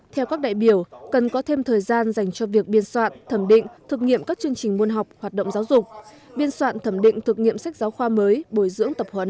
theo các đại biểu cần có thêm thời gian dành cho việc biên soạn thẩm định thực nghiệm các chương trình môn học hoạt động giáo dục biên soạn thẩm định thực nghiệm sách giáo khoa mới bồi dưỡng tập huấn